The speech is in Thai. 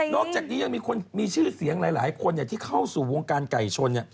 อกจากนี้ยังมีคนมีชื่อเสียงหลายคนที่เข้าสู่วงการไก่ชน